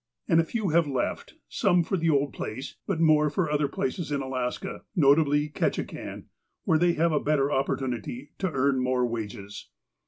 And a few have left, some for the old place, but more for other places in Alaska, notably Ketchikan, where they have a better opportunity to earn more wages.